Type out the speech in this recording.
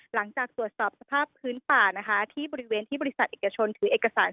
หลังจากตรวจสอบสภาพพื้นป่านะคะที่บริเวณที่บริษัทเอกชนถือเอกสาร